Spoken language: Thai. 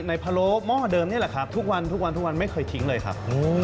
ในพะโล้หม้อเดิมนี่แหละครับทุกวันไม่เคยทิ้งเลยครับ